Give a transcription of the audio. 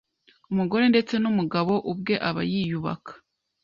umugore ndetse n’umugabo ubwe aba yiyubaka.